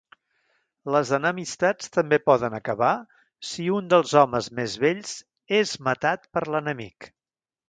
Les enemistats també poden acabar si un dels homes més vells és matat per l'enemic.